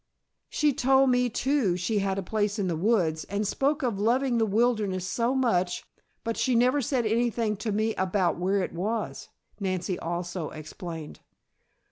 "She told me too she had a place in the woods, and spoke of loving the wilderness so much, but she never said anything to me about where it was," Nancy also explained.